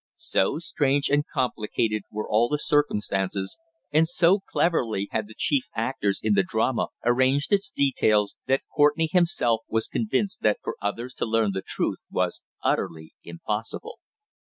So strange and complicated were all the circumstances, and so cleverly had the chief actors in the drama arranged its details, that Courtenay himself was convinced that for others to learn the truth was utterly impossible.